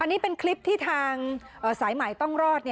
อันนี้เป็นคลิปที่ทางสายใหม่ต้องรอด